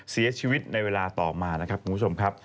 เสียชีวิตในเวลาต่อมานะครับคุณผู้ชมครับ